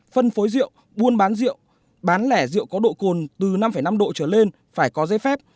phân phối rượu buôn bán rượu bán lẻ rượu có độ cồn từ năm năm độ trở lên phải có giấy phép